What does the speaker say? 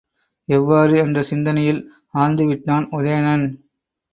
எவ்வாறு? என்ற சிந்தனையில் ஆழ்ந்துவிட்டான் உதயணன்.